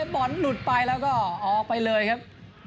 บอลหลุดไปแล้วก็ออกไปเลยครับ